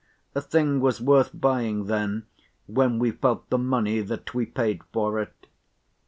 A thing was worth buying then, when we felt the money that we paid for it.